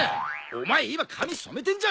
お前今髪染めてんじゃねえか。